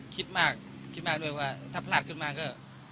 คิดมากคิดมากด้วยว่าถ้าพลาดขึ้นมาก็